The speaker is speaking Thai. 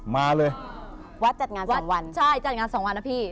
มาเลยวัดจัดงานวันใช่จัดงานสองวันนะพี่